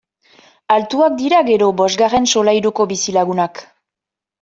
Altuak dira gero bosgarren solairuko bizilagunak!